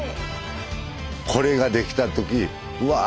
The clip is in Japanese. これができた時うわ！